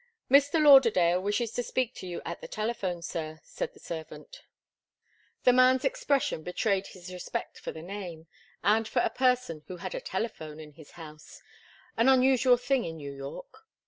"Mr. Lauderdale wishes to speak to you at the telephone, sir," said the servant. The man's expression betrayed his respect for the name, and for a person who had a telephone in his house an unusual thing in New York.